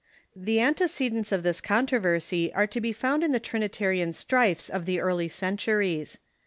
] The antecedents of this controversy are to be found in the Trinitarian strifes of the early centuries.